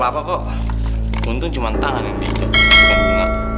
pakok untung cuma tangan yang dihidupkan